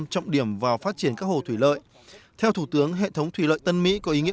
trọng điểm vào phát triển các hồ thủy lợi theo thủ tướng hệ thống thủy lợi tân mỹ có ý nghĩa